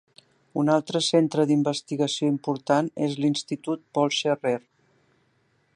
Un altre centre d'investigació important és l'Institut Paul Scherrer.